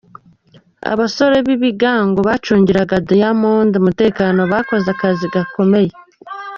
Abasore b'ibingango bacungiraga Diamond umutekano bakoze akazi gakomeye.